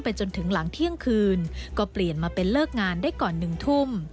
จนถึงหลังเที่ยงคืนก็เปลี่ยนมาเป็นเลิกงานได้ก่อน๑ทุ่ม